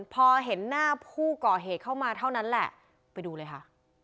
พอเห็นหน้าผู้ก่อเหตุเข้ามาเท่านั้นแหละไปดูเลยค่ะ